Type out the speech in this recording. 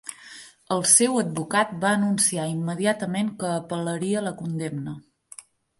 El seu advocat va anunciar immediatament que apel·laria la condemna.